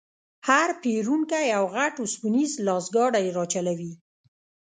هر پېرونکی یو غټ وسپنیز لاسګاډی راچلوي.